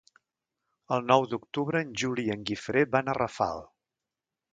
El nou d'octubre en Juli i en Guifré van a Rafal.